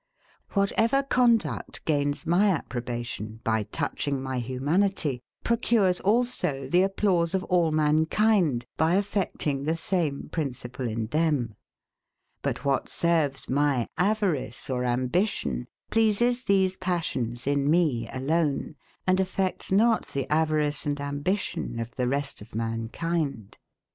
Whatever conduct gains my approbation, by touching my humanity, procures also the applause of all mankind, by affecting the same principle in them; but what serves my avarice or ambition pleases these passions in me alone, and affects not the avarice and ambition of the rest of mankind.